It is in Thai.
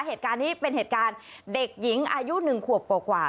เหตุการณ์นี้เป็นเหตุการณ์เด็กหญิงอายุ๑ขวบกว่า